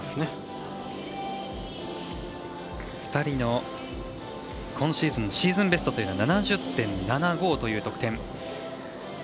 ２人の今シーズンのシーズンベストというのは７０．７５という得点。